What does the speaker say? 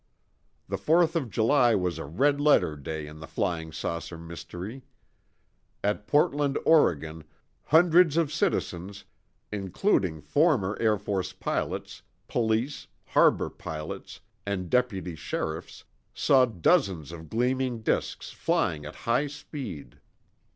The Fourth of July was a red letter day in the flying saucer mystery. At Portland, Oregon, hundreds of citizens, including former Air Force pilots, police, harbor pilots, and deputy sheriffs, saw dozens of gleaming disks flying at high speed.